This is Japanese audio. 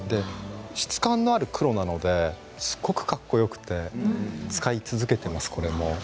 質感のある黒なのですごくかっこよくてこれも使い続けています。